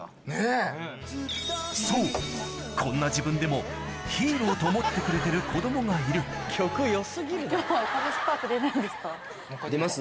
そうこんな自分でもヒーローと思ってくれてる子供がいる出ます？